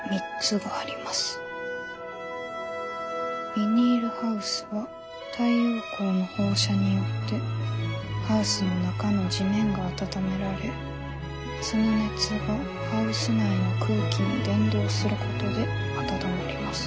ビニールハウスは太陽光の『放射』によってハウスの中の地面が温められその熱がハウス内の空気に『伝導』することで温まります。